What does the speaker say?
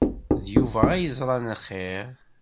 D Yuba ay yeẓran xir.